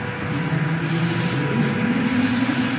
"You have lived always in America?"